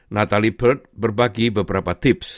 nathali bird berbagi beberapa tips